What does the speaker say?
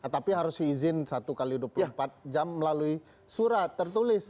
tapi harus diizin satu x dua puluh empat jam melalui surat tertulis